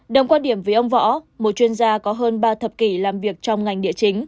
đồng quan điểm với ông võ một chuyên gia có hơn ba thập kỷ làm việc trong ngành địa chính